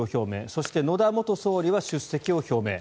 そして、野田元総理は出席を表明。